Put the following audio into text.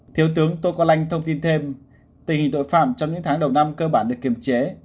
thiếu tướng tô quang thông tin thêm tình hình tội phạm trong những tháng đầu năm cơ bản được kiềm chế